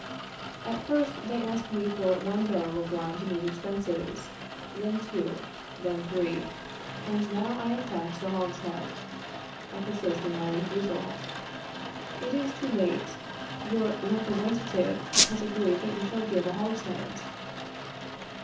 At first they asked me for one barrel of wine to meet expenses, then two, then three, and now I am taxed a hogshead. I persist in my refusal. It is too late. Your representative has agreed that you shall give a hogshead.